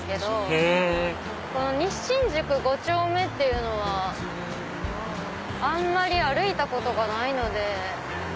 へぇ西新宿五丁目っていうのはあんまり歩いたことがないので。